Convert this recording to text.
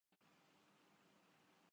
اب نمودار ہوگا اس کے لیے فکر اسلامی کی